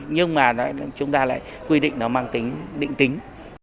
nhưng mà chúng ta lại quy định nó mang tính định tính